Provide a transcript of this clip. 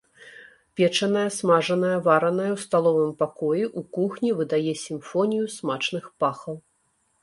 Печанае, смажанае, варанае ў сталовым пакоі, у кухні выдае сімфонію смачных пахаў.